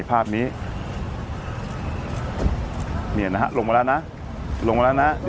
ปรากฏว่าจังหวัดที่ลงจากรถ